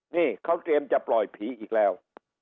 นี่เขาเตรียมจะปล่อยผีอีกแล้ว